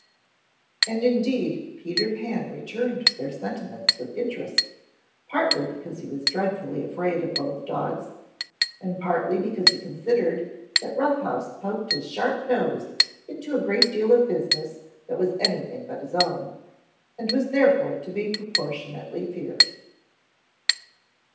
And indeed Peter Pan returned their sentiments with interest partly because he was dreadfully afraid of both dogs and partly because he considered that Rough House poked his sharp nose into a great deal of business that was anything but his own, and was therefore to be proportionately feared.